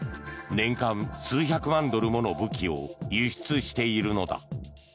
年間数百万ドルもの武器を輸出しているのだ。